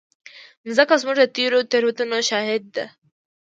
مځکه زموږ د تېرو تېروتنو شاهد ده.